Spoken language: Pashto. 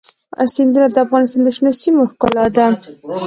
سیندونه د افغانستان د شنو سیمو ښکلا ده.